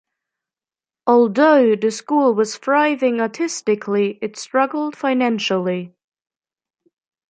Although the school was thriving artistically, it struggled financially.